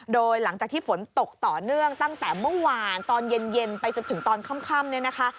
โดยหลังจากที่ฝนตกต่อเนื่องตั้งแต่เมื่อวานตอนเย็นไปจนถึงตอนค่ำเนี่ยนะคะ